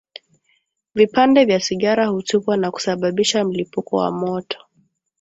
Vipande vya sigara hutupwa na kusababisha mlipuko wa moto